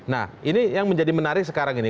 nah ini yang menjadi menarik sekarang ini